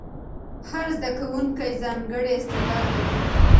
هر زده کوونکی ځانګړی استعداد لري.